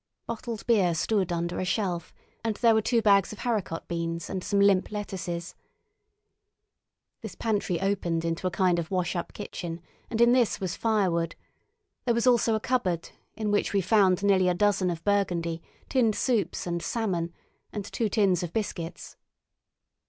Bottled beer stood under a shelf, and there were two bags of haricot beans and some limp lettuces. This pantry opened into a kind of wash up kitchen, and in this was firewood; there was also a cupboard, in which we found nearly a dozen of burgundy, tinned soups and salmon, and two tins of biscuits.